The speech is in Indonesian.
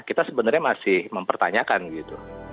kita sebenarnya masih mempertanyakan gitu